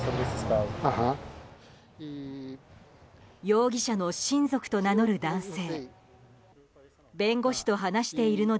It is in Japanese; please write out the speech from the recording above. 容疑者の親族と名乗る男性。